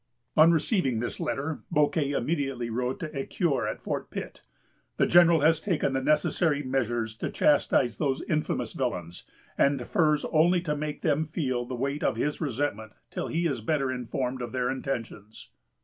On receiving this letter, Bouquet immediately wrote to Ecuyer at Fort Pitt: "The General has taken the necessary measures to chastise those infamous villains, and defers only to make them feel the weight of his resentment till he is better informed of their intentions."